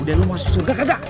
udah lu masuk surga kagak